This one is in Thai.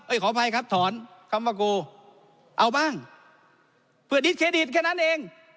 ขออภัยครับถอนคำว่าโกเอาบ้างเพื่อดิสเครดิตแค่นั้นเอง